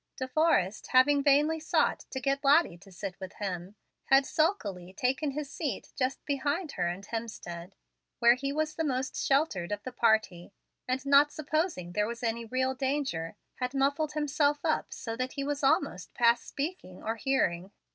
De Forrest, having vainly sought to get Lottie to sit with him, had sulkily taken his seat just behind her and Hemstead, where he was the most sheltered of the party, and, not supposing there was any real danger, had muffled himself up so that he was almost past speaking or hearing.